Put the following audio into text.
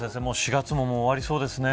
４月ももう終わりそうですね。